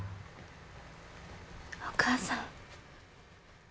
お母さん。